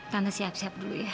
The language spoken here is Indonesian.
karena siap siap dulu ya